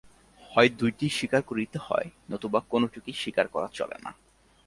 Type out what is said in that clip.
হয় দুইটিই স্বীকার করিতে হয়, নতুবা কোনটিকেই স্বীকার করা চলে না।